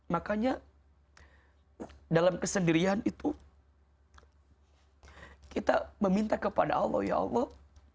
makanya dalam kesendirian itu kita meminta kepada allah ya allah